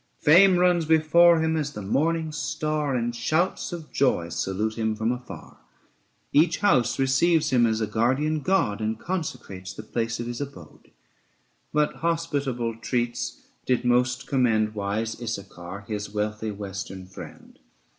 Fame runs before him as the morning star, And shouts of joy salute him from afar ; Each house receives him as a guardian god 735 And consecrates the place of his abode. But hospitable treats did most commend Wise Issachar, his wealthy western friend.